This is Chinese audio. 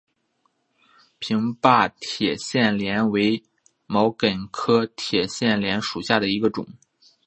平坝铁线莲为毛茛科铁线莲属下的一个种。